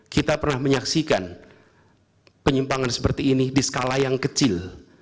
kita pernah menyaksikan penyimpangan seperti ini di skala yang kecil